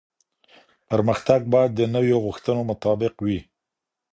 پرمختګ باید د نويو غوښتنو مطابق وي